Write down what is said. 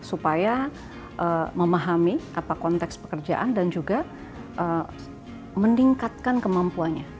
supaya memahami apa konteks pekerjaan dan juga meningkatkan kemampuannya